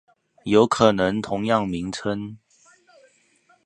有可能同樣名稱